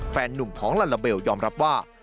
แฟนนุ่มของลาลาเบลยอมรับว่า